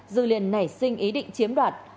dư liền nảy sinh ý định chiếm đoạt